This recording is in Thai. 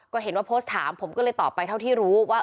ก็เห็นว่าโพสต์ถามผมก็เลยตอบไปเท่าที่รู้ว่า